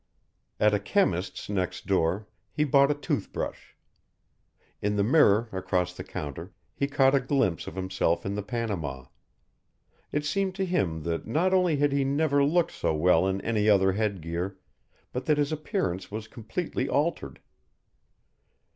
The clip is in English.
At a chemist's next door he bought a tooth brush. In the mirror across the counter he caught a glimpse of himself in the panama. It seemed to him that not only had he never looked so well in any other head gear, but that his appearance was completely altered.